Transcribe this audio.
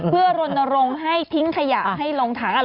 เพื่อรณรงค์ให้ทิ้งขยะให้ลงถังอะไร